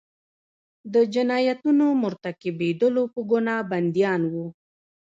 د جنایتونو مرتکبیدلو په ګناه بندیان وو.